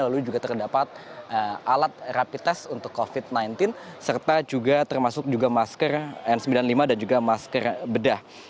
lalu juga terdapat alat rapid test untuk covid sembilan belas serta juga termasuk juga masker n sembilan puluh lima dan juga masker bedah